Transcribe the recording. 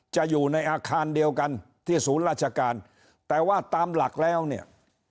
อยู่ในอาคารเดียวกันที่ศูนย์ราชการแต่ว่าตามหลักแล้วเนี่ย